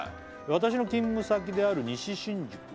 「私の勤務先である西新宿は」